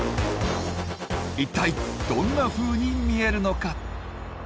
一体どんなふうに見えるのか？